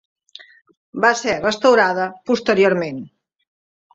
Va ser restaurada posteriorment.